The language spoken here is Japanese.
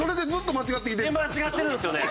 間違ってるんですよね。